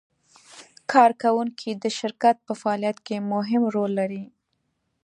کارکوونکي د شرکت په فعالیت کې مهم رول لري.